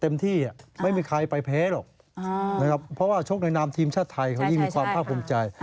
ที่ไม่มีใครไปแพ้หรอกนะครับเพราะว่าชกในนามทีมชาติไทยเขายิ่งมีความภาคภูมิใจ